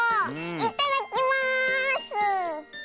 いただきます！